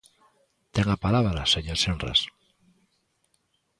Ten a palabra, señor Senras.